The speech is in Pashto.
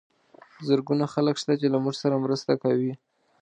زرګونه خلک شته چې له موږ سره مرسته کوي.